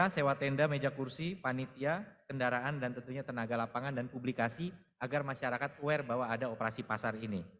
sewa tenda meja kursi panitia kendaraan dan tentunya tenaga lapangan dan publikasi agar masyarakat aware bahwa ada operasi pasar ini